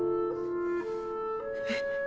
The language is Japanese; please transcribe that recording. えっ？